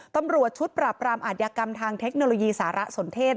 ตำรวจชุดปรับรามอาทยากรรมทางเทคโนโลยีสารสนเทศ